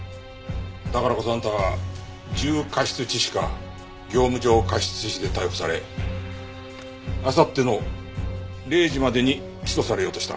だからこそあんたは重過失致死か業務上過失致死で逮捕されあさっての０時までに起訴されようとした。